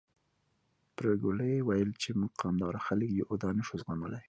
پري ګلې ويل چې موږ قامداره خلک يو او دا نه شو زغملی